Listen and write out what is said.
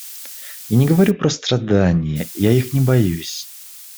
Я не говорю про страдания, я их не боюсь.